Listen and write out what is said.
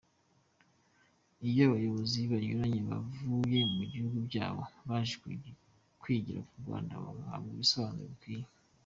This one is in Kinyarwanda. Iyo abayobozi banyuranye bavuye mu bihugu byabo baje kwigira ku Rwanda, bahabwa ibisobanuro bikwiye.